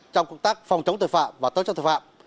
trong công tác phòng chống tội phạm và tối cho tội phạm